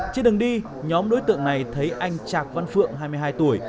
trên đường đi nhóm đối tượng này thấy anh chạc văn phượng hai mươi hai tuổi